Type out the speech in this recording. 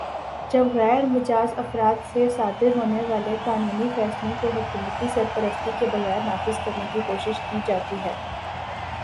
جب غیر مجازافراد سے صادر ہونے والے قانونی فیصلوں کو حکومتی سرپرستی کے بغیر نافذ کرنے کی کوشش کی جاتی ہے